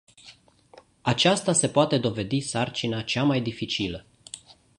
Aceasta se poate dovedi sarcina cea mai dificilă.